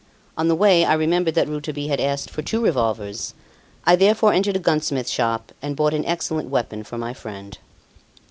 On the way I remembered that Rouletabille had asked for two revolvers; I therefore entered a gunsmith's shop and bought an excellent weapon for my friend.